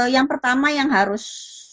yang pertama yang harus